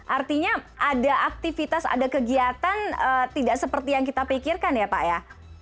artinya ada aktivitas ada kegiatan tidak seperti yang kita pikirkan ya pak ya